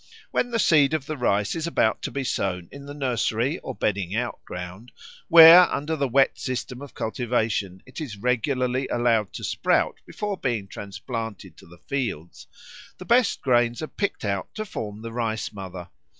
When the seed of the rice is about to be sown in the nursery or bedding out ground, where under the wet system of cultivation it is regularly allowed to sprout before being transplanted to the fields, the best grains are picked out to form the Rice mother.